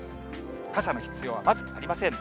傘の必要はまずありません。